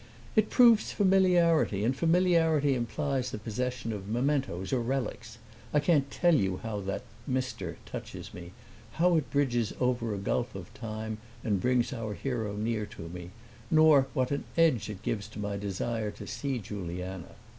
"It proves familiarity, and familiarity implies the possession of mementoes, or relics. I can't tell you how that 'Mr.' touches me how it bridges over the gulf of time and brings our hero near to me nor what an edge it gives to my desire to see Juliana.